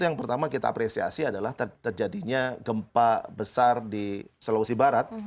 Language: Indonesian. yang pertama kita apresiasi adalah terjadinya gempa besar di sulawesi barat